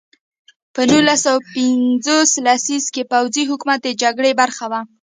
په نولس سوه پنځوس لسیزه کې پوځي حکومت د جګړې برخه وه.